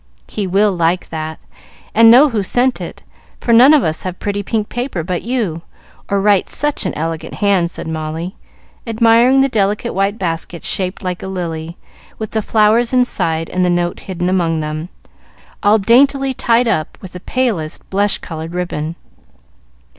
"He will like that, and know who sent it, for none of us have pretty pink paper but you, or write such an elegant hand," said Molly, admiring the delicate white basket shaped like a lily, with the flowers inside and the note hidden among them, all daintily tied up with the palest blush colored ribbon.